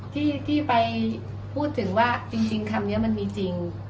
ที่ไปพูดถึงว่าจริงคำนี้มันมีจริง